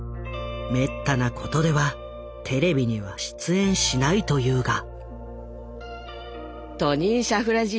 めったなことではテレビには出演しないというが。